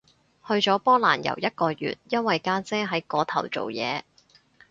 去咗波蘭遊一個月，因為家姐喺嗰頭做嘢